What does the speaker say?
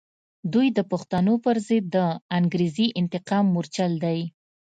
دوی د پښتنو پر ضد د انګریزي انتقام مورچل دی.